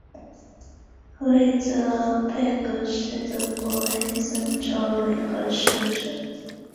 弗里德贝格是德国黑森州的一个市镇。